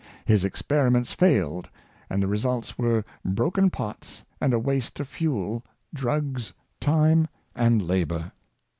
His experiments failed, and the results were broken pots and a waste of fuel, drugs, time, and labor.